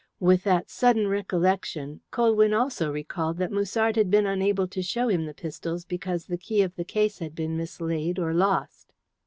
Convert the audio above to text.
With that sudden recollection, Colwyn also recalled that Musard had been unable to show him the pistols because the key of the case had been mislaid or lost.